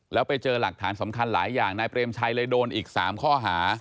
แล้วไปเจอหลักฐานสำคัญหลายอย่างนายเปรมชัยเลยโดนอีก๓ข้อหา